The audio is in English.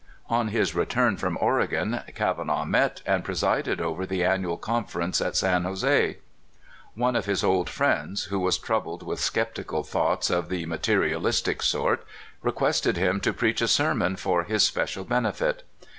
On his return from Oregon, Kavanaugh met and presided over the Annual Conference at San Jose. One of his old friends, who was troubled with skeptical thoughts of the materialistic sort, requested him to preach a sermon for his special benefit.